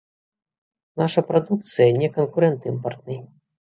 Наша прадукцыя не канкурэнт імпартнай.